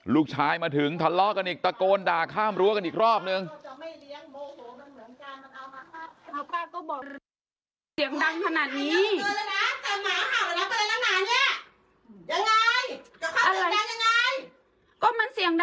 มาถึงทะเลาะกันอีกตะโกนด่าข้ามรั้วกันอีกรอบนึง